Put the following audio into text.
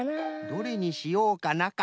「どれにしようかな」か。